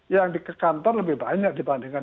yang di kantor lebih banyak dibandingkan